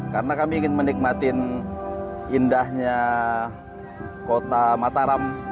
karena kami ingin menikmati indahnya kota mataram